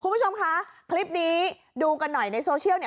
คุณผู้ชมคะคลิปนี้ดูกันหน่อยในโซเชียลเนี่ย